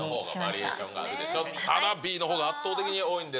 ただ、Ｂのほうが圧倒的に多いんです。